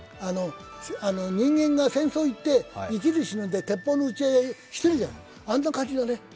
人間が戦争行って生きる死ぬで、鉄砲の撃ち合いしてるじゃない、あんな感じだね。